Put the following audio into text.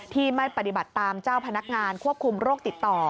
ที่ไม่ปฏิบัติตามเจ้าพนักงานควบคุมโรคติดต่อ